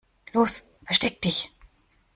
Los, versteck dich!